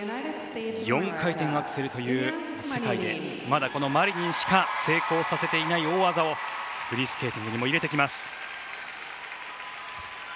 ４回転アクセルという世界でまだマリニンしか成功させていない大技をフリースケーティングにも入れてきます。